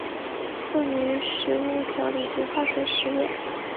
用于食物调理及化学实验。